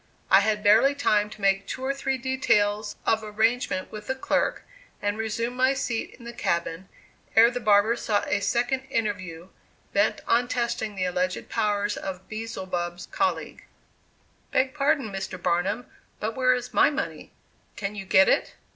I had barely time to make two or three details of arrangement with the clerk, and resume my seat in the cabin, ere the barber sought a second interview, bent on testing the alleged powers of Beelzebub's colleague. "Beg pardon, Mr. Barnum, but where is my money? Can you get it?"